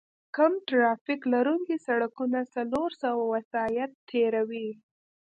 کم ترافیک لرونکي سړکونه څلور سوه وسایط تېروي